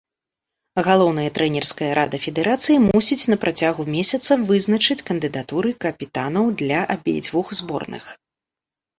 Галоўная трэнерская рада федэрацыі мусіць на працягу месяца вызначыць кандыдатуры капітанаў для абедзвюх зборных.